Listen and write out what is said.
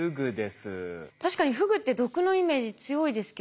確かにフグって毒のイメージ強いですけど。